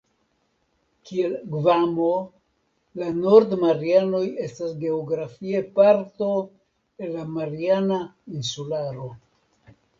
Kiel Gvamo, la Nord-Marianoj estas geografie parto el la Mariana insularo.